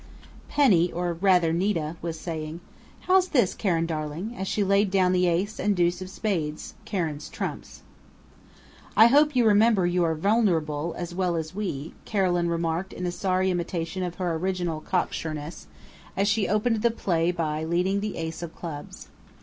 Penny, or rather "Nita," was saying: "How's this, Karen darling?" as she laid down the Ace and deuce of Spades, Karen's trumps. "I hope you remember you are vulnerable, as well as we," Carolyn remarked in a sorry imitation of her original cocksureness, as she opened the play by leading the Ace of Clubs.